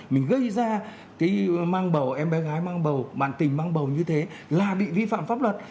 mình gây ra cái mang bầu em bé gái mang bầu bàn tình mang bầu như thế là bị vi phạm pháp luật